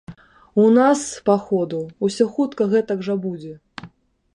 У нас, па ходу, усё хутка гэтак жа будзе.